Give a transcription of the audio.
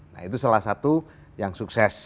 nah itu salah satu yang sukses